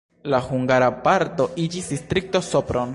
La hungara parto iĝis Distrikto Sopron.